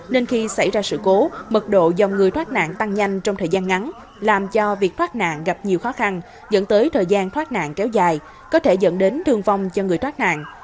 nên khi xảy ra sự cố mật độ dòng người thoát nạn tăng nhanh trong thời gian ngắn làm cho việc thoát nạn gặp nhiều khó khăn dẫn tới thời gian thoát nạn kéo dài có thể dẫn đến thương vong cho người thoát nạn